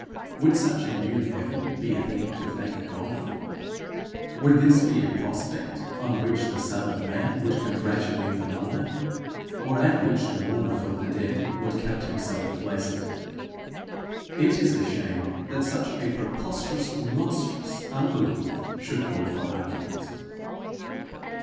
Would such a new heaven be a thing to thank God for? Would this be a prospect on which the Son of Man would congratulate the mourner, or at which the mourner for the dead would count himself blessed? It is a shame that such a preposterous, monstrous unbelief should call for argument.